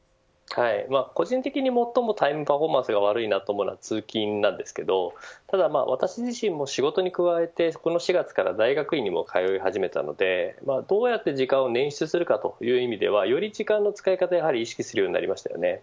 個人的に最もタイムパフォーマンスが悪いと思うのは通勤なんですけどただ、私自身も仕事に加えてこの４月から大学院にも通い始めたのでどうやって時間を捻出するかという意味ではより時間の使い方を意識するようになりました。